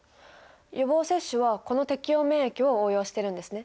予防接種はこの適応免疫を応用しているんですね？